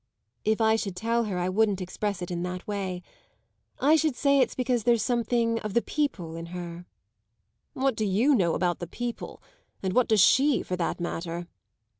"If I should tell her I wouldn't express it in that way. I should say it's because there's something of the 'people' in her." "What do you know about the people? and what does she, for that matter?"